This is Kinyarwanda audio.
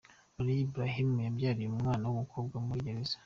Meriam Ibrahim yabyariye umwana w’umukobwa muri gereza.